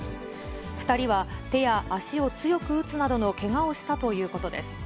２人は手や足を強く打つなどのけがをしたということです。